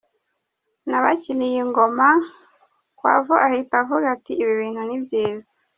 Nabakiniye ingoma Quavo ahita avuga ati ‘ibi bintu ni byiza’.